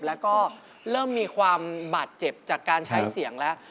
แล้วก็เริ่มมีความบาดเจ็บจากการใช้เสียงแล้ว